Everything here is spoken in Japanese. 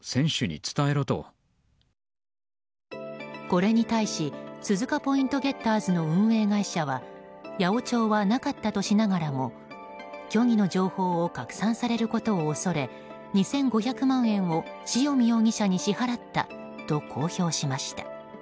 これに対し鈴鹿ポイントゲッターズの運営会社は八百長はなかったとしながらも虚偽の情報を拡散されることを恐れ２５００万円を塩見容疑者に支払ったと公表しました。